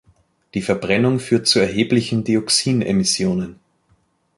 Die Verbrennung führt zu erheblichen Dioxinemissionen.